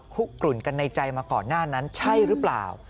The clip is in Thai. กลุ่นกันในใจมาก่อนหน้านั้นใช่หรือเปล่า